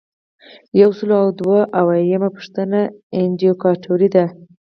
یو سل او دوه اویایمه پوښتنه اندیکاتور دی.